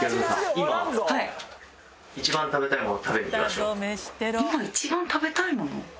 今一番食べたいもの？